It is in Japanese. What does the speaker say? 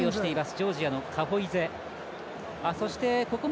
ジョージアのカホイゼ。